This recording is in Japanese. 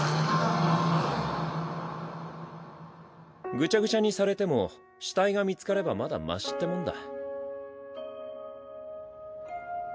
ううぐちゃぐちゃにされても死体が見つかればまだましってもんだ。